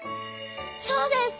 そうです！